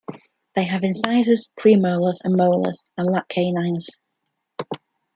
They have incisors, premolars and molars, and lack canines.